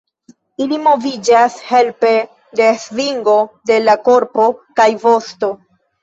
Ili moviĝas helpe de svingo de la korpo kaj vosto.